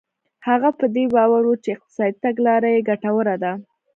هغه په دې باور و چې اقتصادي تګلاره یې ګټوره ده.